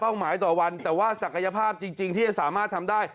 หมายต่อวันแต่ว่าศักยภาพจริงที่จะสามารถทำได้